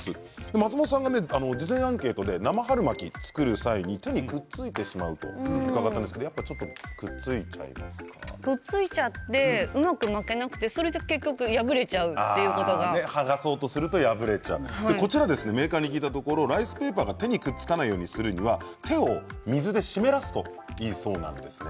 松本さんが事前アンケートで生春巻きを作る際に手にくっついてしまうと伺ったんですがくっついちゃってうまく巻けなくてそれで結局メーカーに聞いたところライスペーパーが手にくっつかないようにするには手を水で湿らすといいそうなんですね。